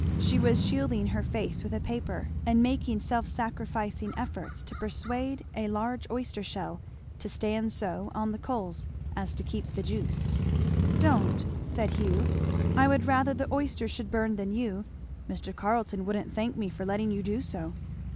She was shielding her face with a paper and making self sacrificing efforts to persuade a large oyster shell to stand so on the coals as to keep the juice. "Don't!" said Hugh; "I would rather the oysters should burn than you. Mr. Carleton wouldn't thank me for letting you do so."